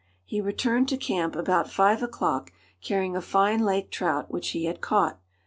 He returned to camp about five o'clock carrying a fine lake trout which he had caught.